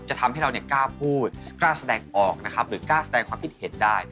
ทำให้เรากล้าพูดกล้าแสดงออกนะครับหรือกล้าแสดงความคิดเห็นได้